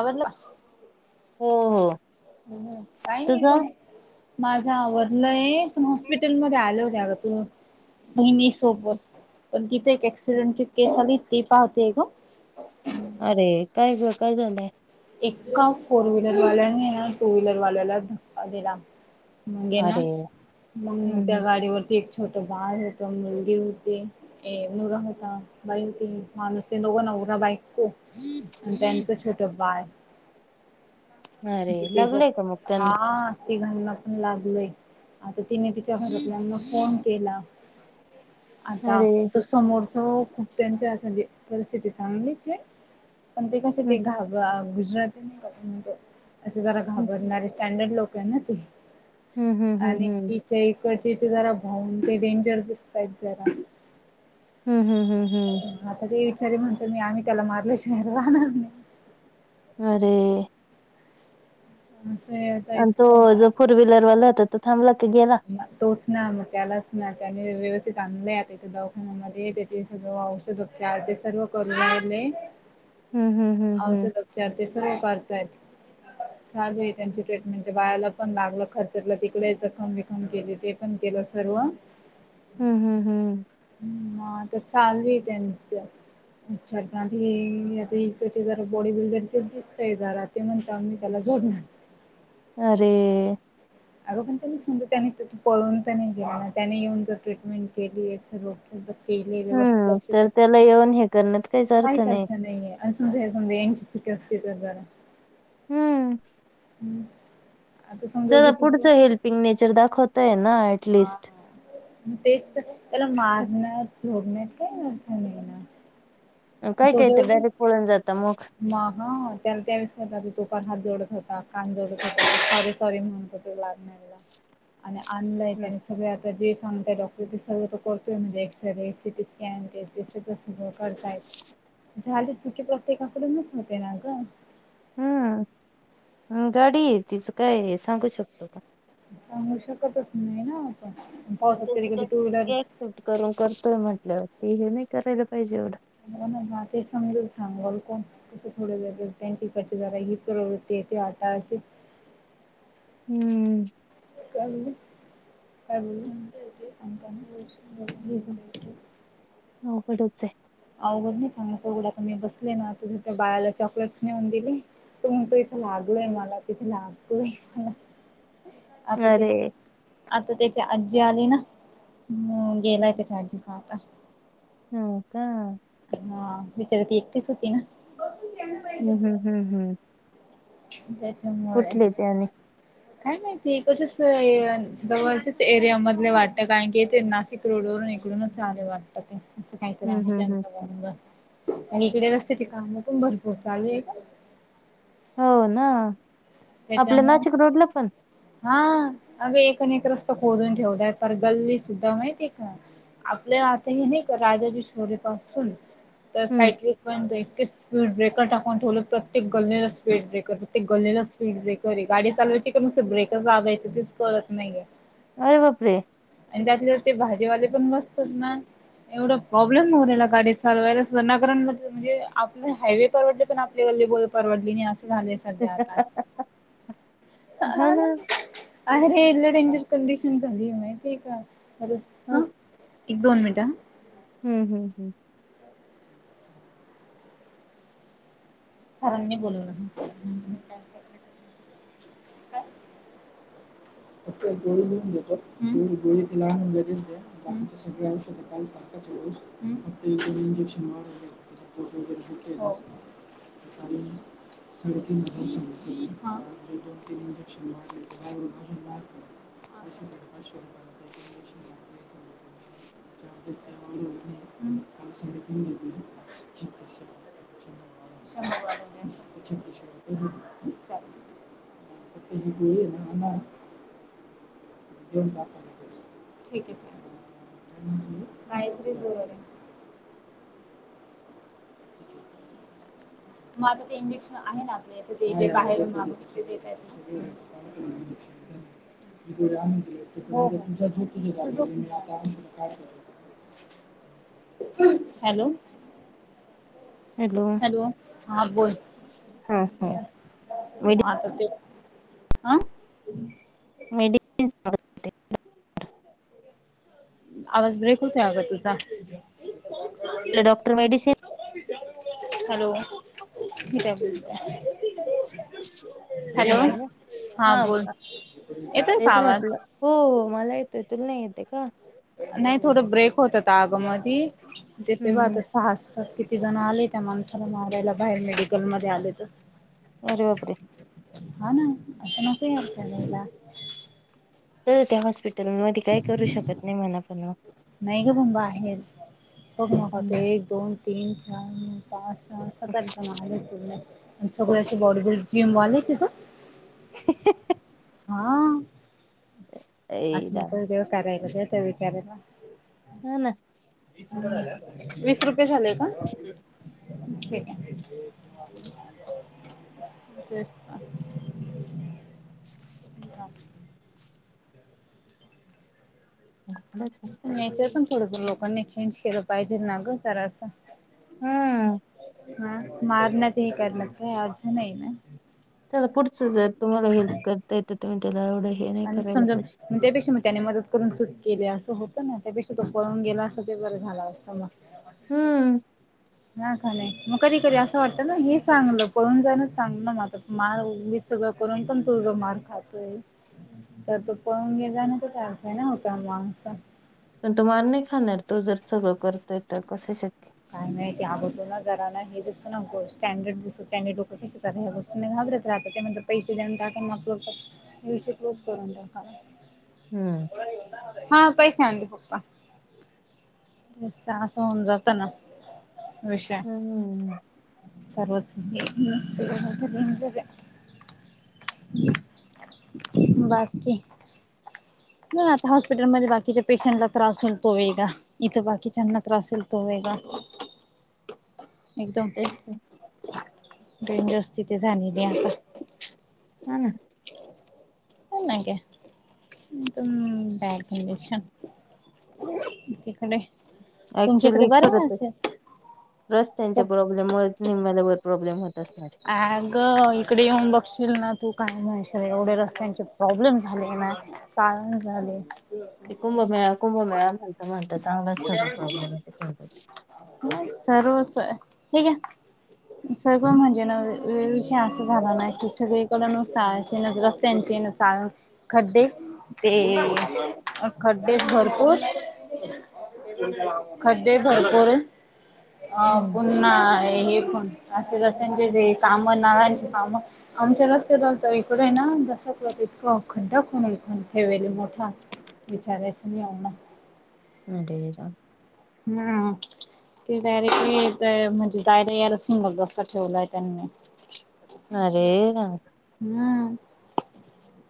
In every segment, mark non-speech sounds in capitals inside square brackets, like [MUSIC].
आवरलं हो हो काही नाही ग तुझं माझा आवरलंय हॉस्पिटल मध्ये आलं होत तू म वहिनी सोबत पण तिथे एक्सीडेंट केस आली ती पाहते ग अरे काय ग काय झालय एका फोर व्हीलर ने टू व्हीलर वाल्याला ने ना धक्का दिला मग हे ना अरे मग हम्म त्या हम्म. गाडीवरती छोट बाळ होतो मुलगी होते मुलगा होता बाई होती माणूस [UNINTELLIGIBLE] नवरा बायको त्यांचं छोट बाळ अरे लागलंय का मग त्यांना हा ते बघ तिघांना लागलेय आता तिने तिच्या घरतल्यांना फोन केला. आता अरे आपण त समोर खूप त्यांच्या अस परिस्थिती चांगलीच आहे पण ते कसे ते हम्म घा [UNINTELLIGIBLE] असं जरा घाबरणारे स्टँडर्ड लोक आहे ना ते. हम्म हम्म हम्म आणि हम्म हिच एक इथं जरा भाऊंचे ते डेंजर दिसतय जरा. हम् हम हम् आता ते विचारी म्हणतो मी आम्ही त्याला मारल्याशिवार राहणार नाही. अरे हम् आणि तो जो फोर व्हीलरवाला होता तो थांबला? की गेला तोच ना मग त्यालाच ना त्याने व्यवस्थित चांगले दवाखान्यामध्ये त्यांचे सगळ औषध उपचार ते सर्व करू लागले हम्म हम्म हम्म हम्म औषध उपचार ते सगळे करतायत. चालू आहे त्यांची ट्रीटमेंट बाळाला पण लागलं खरचटलं तिकडे जखम बिकम [UNINTELLIGIBLE] पण केले ते पण केलं सर्व हम्म हम्म हम्म हा मग चालू आहे त्यांच अच्छा आता जरा इकडचे बॉडी बिल्डर दिसतय जरा ते म्हणत मी त्याला [INAUDIBLE] अरे अगं पण त्यांनी सांग त्यानी पळून तर नाही गेली त्यानी येऊन जर ट्रीटमेंट केली केले व्यवस्थित हम्म लक्ष तर देते त्याला येऊन हे करण्यात काहीच अर्थ नाहीये समजा हे [UNINTELLIGIBLE] समजा यांची चुकी असते जरा हम्म हम्म आता समजा चला उगीच पुढचं हेल्पिंग नेचर दाखवतय ना हा ऍटलिस्ट तेच तर त्याला मारण झोडण्यात काही अर्थ नाही ना काय तो काय जर तर डायरेक्ट पळून जाता मग हा त्याला त्यावेळेस कर तो हात जोडत होता कान जोडत होता सॉरी सॉरी म्हणत होता आणलाय हम्म त्याने सगळ्यात जे सांगताय डॉक्टर ते सर्व तर करतोय म्हणजे X ray C T scan ते सगळं सगळं करताय. झाले चुकी प्रत्येकाकडूनच होते ना ग हम्म गाडी आहे तिचं काय सांगू शकतो का. सांगू शकतच नाही ना. आपण पावसात कधी कधी टू व्हीलर त्यांचं करून करतोय म्हटलंवर ते हे नाही करायला पाहिजे एवढं हो ना ते समजून सांगल कोण कसं थोडे ज त्यांची इकडची जरा ही प्रवृती तेे आता अस हम्म काय बोलले [INAUDIBLE] हो कडंच आहे अवघड नाही चौघडा मी बसले ना त त्या बाळाला चॉकलेटस नेऊन दिले. तुम तो इथे लागलोय मला तिथे लागलय मला आता अरे त्याच्या आता त्याच्या आजी आली ना गेलाय त्याच्या आजीकडे आता हो का हा बिचार होती एकटीच होती ना. हम्म हम्म हम्म हम्म त्याच्यामुळे कुठले ते आणि काय माहिती कसच जवळच्याच एरिया मधले वाटत कारण की येथे नाशिक रोड इकडूनच आले वाटत असं काहीतरी हम्म हम्म हम्म आहे. आणि इकडे रस्त्याचे काम पूर्णभरपूर चाले आहे. हो ना आपल्या त्याच्यामुळे नाशिक रोडला पण हा अग एकण एक रस्त खोडून ठेवलाय तर गल्ली सुद्धा माहती आहे का आपल्या आता हे नाही का राजाजी शोरे पाासून तर हम्म साट पणच स्पीड ब्रेक टाकून ठेवलं प्रत्येक गल्लीला स्पीड ब्रेकर प्रत्येक स्पीड ब्रेकर आहे गाडी चालवायची का नुसते ब्रेक वागायच तेच कळतनाहीे अरे बापरे आणि त्यातले ते भाजीवाले. पण बसतात ना एवढा प्रॉब्लेम न राला गाडी चालवायला म्हणजे आप हायवे परवडले पण आपल्या परवडली असं झालेय सध्या आता हो ना अरे इल डेंजर कंडिशन झाली माहितीे का बस हो. हा एक दोन मिनटं हम्म हम्म हम्म सरांनी बोलवलं. [INAUDIBLE] [INAUDIBLE] [INAUDIBLE] [INAUDIBLE] [UNINTELLIGIBLE] [INAUDIBLE] शंभर [INAUDIBLE] ना ना [INAUDIBLE] ठीक आहे चालेल. कायतरी [INAUDIBLE] [INAUDIBLE] मग आता ते इंजेक्शन आहे ना आपल्या इथ जे बाहेर ते देत आहेत. [UNINTELLIGIBLE] मी आण तुझ झतीच्या जाग मी आता तला काय कर. हॅलो. हॅलो हा बोल हा हा ते आं. मेडिसिन आवाज ब्रेक होतग तुझा. हॅलो डॉक्टर मेडिसन [UNINTELLIGIBLE] [UNINTELLIGIBLE] हॅलो हा येतोय का तेच म्हटलं आवाज हो मला येत. तुल नाही येते का. नाही थोडं ब्रेक होतात आग मधी हम्म हम्म. त्याचे सहा सहा किती? त जण आले त्या माणसाला मारायला बाहेर मेडिकल मध्ये आले तर अरे बापरे हा ना असं नको याला तर त्या हॉस्पिटल मध्ये काय करू शकत नाही मला पण नाही ग पण बाहेर बघ मग हम्म. ते एक दोन तीन पात एक महाशपूर आणि सगळे असे बॉडीबिल्ड जिम वाॉले हहा. [UNINTELLIGIBLE] हा. ह. असं मक देव करायला द त्या विचाराला ह ना. वीस रुपये झालेय का? हे. तेच [UNINTELLIGIBLE] एवढंच असतंय नचर पण थोडफ लोकांनी चेंज केलं पाहिजे ना ग जरा असं. हम्म. हा मारण्यात हे करण्यात का अर्थ नाही ना. चला पुढचं जर तुम्हाला हेल्प करता येत तुम्ही? त्याला एवढं हे नाही आणि करायला समजा पाहिजे त्यापेक्षा त्याने मदत करून चूक केली असं होतं ना त्यापेक्षा तो पळून गेला असं ते बरं झाला असतं मग हम्म. ना ख नाही मग कधी कधी असं वाटत ना हे चांगलं पळून जाण चांगलं ना म म वि त करून पण तुझ मार खातोय. तर तो पळून गे जाण त अर्थ आहे ना होता माणस पण तो मार नाही खाणार तो जर सगळं करतोय तर कस शक. हेसत नको स्टँडर्डस स्टँडर्डोक क्या गोष्ट घाबरत राहात त्यार पैसे देऊन मग ोप करून हम्म. हा पैसे आणत पप्पा बं होऊन जात ना. हम्म हम्. सर्वत बाकी. म आता हॉस्पिटलमध्येध्ये बाकीच्या पेशंटला त्रास होईल तो आहे का इथं बाकीच्यांना त्रास होईल तो आहे. [UNINTELLIGIBLE] ते ेंजर्स तिथे झालेली आता हा ना. [INAUDIBLE] इकडं ये ऍक्च्युली खरच रस्त्यांच्या प्रॉब्लेम मुळेचं निम्म्याल्यावर प्रॉब्लेम होत. असणार. अग इकडे येऊन बघशील ना तू काय नाहीर एवढे रस्त्यांचे प्रॉब्लेम झाले ना चाळण झाले. ते कुंभमेळा कुंभमेळा म्हणता म्हणता चांगलाच सगळं प्रॉब्लेमॅटिक होऊन जाते. सर्वस हे घ्या. सगळ म्हणजे नवे विषय असं झाला ना की सगळीकड नुसता रस्त्यांचे चाळण खडे ते खड्डे भरपूर खड्डे भरपूर अ हम्म. पुन्हा हेण असे रस्त्यांचे जे काम नालांचे कामं आमच्या रस्ते लत इकडे आहे ना दसत खंडा कोन कोण ठेवाल मोठा विचारायचा नाही यांना अरे राम हम ते डारेक्टली म्हणजे जायला यायला सिंगल रस्ता ठेवलाय त्यांनी अरे राम हम्म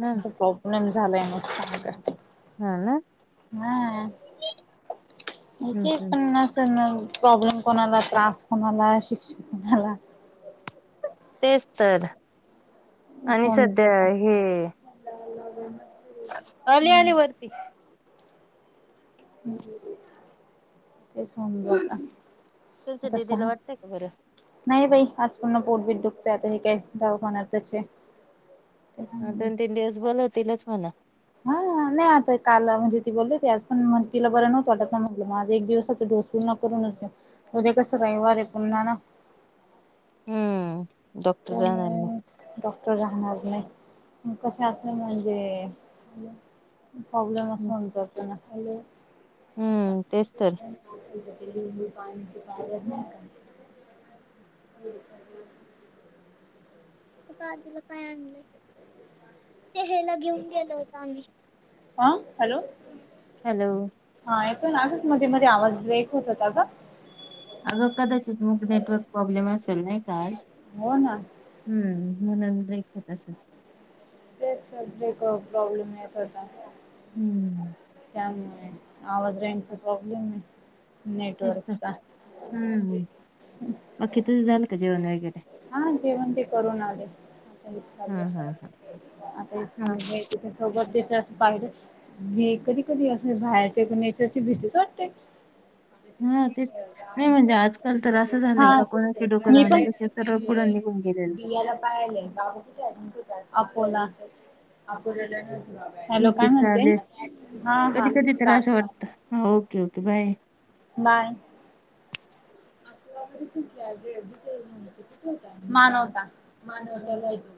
राम अस प्रॉब्लेम झालाय नुसता हा ना हा एक हम्म एक हम्म पन्नासजण प्रॉब्लेम कोणाला त्रास कोणाला शिक्षा कोणाला तेच तर आणि सध्या समजत हे अली हम्म अली वरती तेच म्हणटल आता तुमच्या तस दिदीला वाटतय का बरं नाही बाई आज पूर्ण पोटबीट दुखतंय आता हे काय दवाखान्यातच आहे. हा दोन तीन दिवस बोलवतीलच मला हा नाही आता काल म्हणजे ती बोलली ते आज पण तिला बरं नव्हत आतां म्हटलं मग आज एक दिवसाचा डोस पूर्ण करून देऊ उद्या कस बाई [UNINTELLIGIBLE] हम्म डॉक्टर राणांना त्यामुळे डॉक्टर राहणार नाही. कसे असले म्हणजे प्रॉब्लेम असन होऊन जात ना हॅलो अस हम्म तेच तर लिंबू पाणी [INAUDIBLE] पप्पा आदूला काय आणलय. हा हॅलो हॅलो हा एक आजच मध्ये मध्ये आवाज ब्रेक होत होता ग अगं कदाचित मग नेटवर्क प्रॉब्लेम असेल नाही का आज हो ना हम्म म्हणून ब्रेक होत असल तेच ब्रेक प्रॉब्लेम येत होता. हम्म आवाज रेंजचा प्रॉब्लेम आहे. तेच तर नेटवर्कचा हम्म बाकी तुझं झालं का जेवण वगैरे हा जेवण ते करून आले आता चालु हम्म हम्म आहे आता हम्म समोर येत होती तिच्या सोबत त्या पाहिलं हे कधी कधी असं बाहेरच्या नेचरची भीतीच वाटते. हां, तेच. नाही म्हणजे आजकाल तर असं [INAUDIBLE] झालंय का कोणाची डोकं लावण्यापेक्षा सरळ पुढे निघून गेलेलं बरं. दियाला पाय आलय तेव्हा कुठे अँडमिट आपोला अपोल्याला हाय ठीक आहे चालेल हा कधी हा कधी त्रास चालेल. वाटत हो ओके ओके बाय बाय [INAUDIBLE] थ कुठे हो मानवता मानवता जाय तो